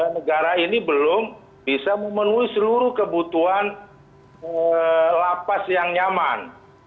negara ini belum bisa memenuhi seluruh kebutuhan lapas yang nyaman